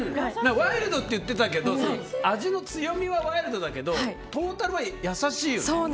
ワイルドって言ってたけど味の強みはワイルドだけどトータルは優しいよね。